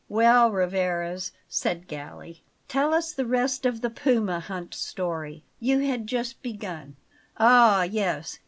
"Well, Rivarez," said Galli; "tell us the rest of the puma hunt story; you had just begun." "Ah, yes!